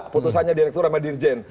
putusannya direktur ramadirjen